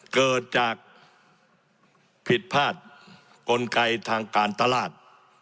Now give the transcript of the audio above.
เกิดจากผิดพลาดกลไกทางการตลาด